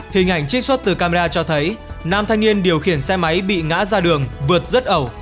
hình ảnh trích xuất từ camera cho thấy nam thanh niên điều khiển xe máy bị ngã ra đường vượt rất ẩu